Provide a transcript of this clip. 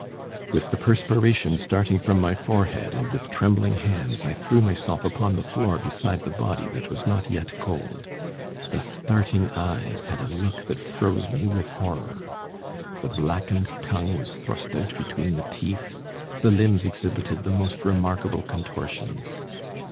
"With the perspiration starting from my forehead and with trembling hands I threw myself upon the floor beside the body that was not yet cold. The starting eyes had a look that froze me with horror. The blackened tongue was thrust out between the teeth; the limbs exhibited the most remarkable contortions.